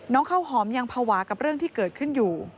ข้าวหอมยังภาวะกับเรื่องที่เกิดขึ้นอยู่